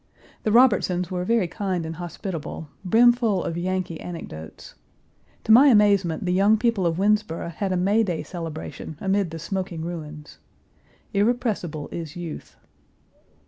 The Robertsons were very kind and hospitable, brimful of Yankee anecdotes. To my amazement the young people of Winnsboro had a May day celebration amid the smoking ruins. Irrepressible is youth.